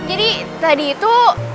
jadi tadi itu